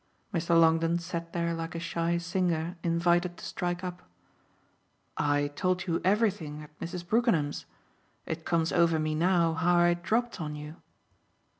Mr. Longdon sat there like a shy singer invited to strike up. "I told you everything at Mrs. Brookenham's. It comes over me now how I dropped on you."